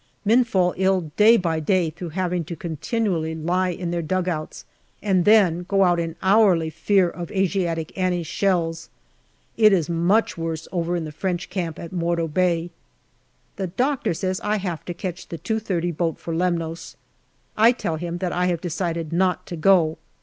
Men fall ill day by day through having to continually lie in their dugouts and then go out in hourly fear of " Asiatic Annie's " shells. It is much worse over in the French camp by Morto Bay. The doctor says I have to catch the 2.30 boat for Lemnos. I tell him that I have decided not to go.